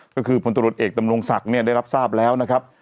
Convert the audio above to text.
ก็คือพลตรวจเอกดำรงศักดิ์เนี่ยได้รับทราบแล้วนะครับ